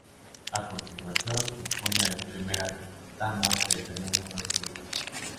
A continuación se exponen a las primeras damas del periodo republicano.